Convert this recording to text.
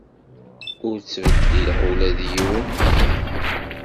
Ur ttbeddileɣ ula d yiwen.